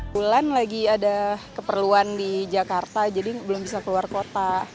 bulan lagi ada keperluan di jakarta jadi belum bisa keluar kota